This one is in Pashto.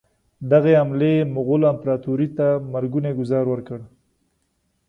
دغې حملې مغولو امپراطوري ته مرګونی ګوزار ورکړ.